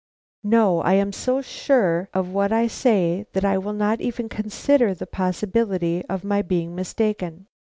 "No. I am so sure of what I say that I will not even consider the possibility of my being mistaken.